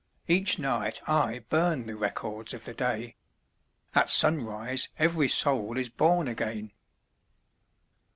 Each night I burn the records of the day, — At sunrise every soul is born again